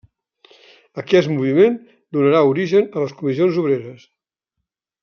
Aquest moviment donarà origen a les Comissions Obreres.